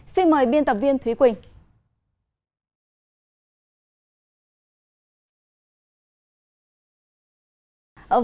xin mời biên tập viên thúy quỳnh